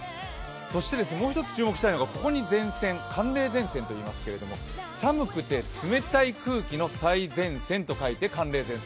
そしてもう一つ注目したいのはここに寒冷前線、寒くて冷たい空気の最前線と書いて寒冷前線。